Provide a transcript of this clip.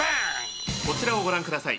「こちらをご覧ください」